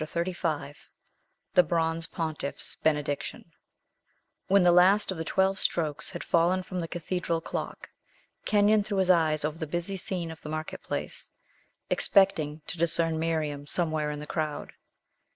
CHAPTER XXXV THE BRONZE PONTIFF'S BENEDICTION When the last of the twelve strokes had fallen from the cathedral clock, Kenyon threw his eyes over the busy scene of the market place, expecting to discern Miriam somewhere in the 'crowd.